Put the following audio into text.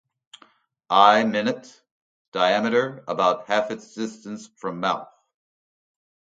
Eye minute, diameter about half its distance from mouth.